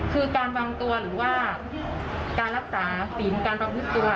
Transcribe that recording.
คือการวางตัวหรือว่าการรักษาศีลการประพฤติตัว